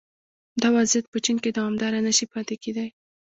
دا وضعیت په چین کې دوامداره نه شي پاتې کېدای